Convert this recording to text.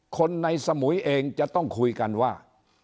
คนในสมุยเองจะต้องคุยกันว่า